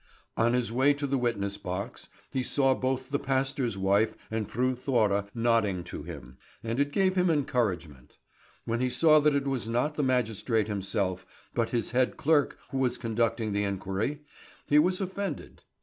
On his way to the witness box he saw both the pastor's wife and Fru Thora nodding to him, and it gave him encouragement. When he saw that it was not the magistrate himself, but his head clerk who was conducting the inquiry, he was offended.